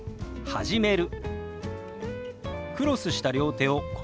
「始める」。